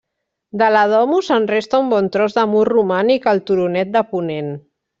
De la Domus en resta un bon tros de mur romànic al turonet de ponent.